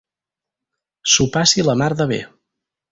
S'ho passi la mar de bé.